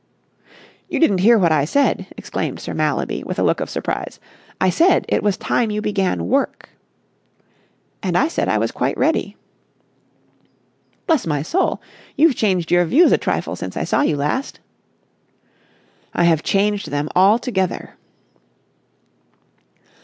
"You didn't hear what I said," exclaimed Sir Mallaby, with a look of surprise. "I said it was time you began work." "And I said I was quite ready." "Bless my soul! You've changed your views a trifle since I saw you last." "I have changed them altogether."